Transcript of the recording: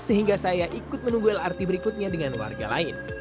sehingga saya ikut menunggu lrt berikutnya dengan warga lain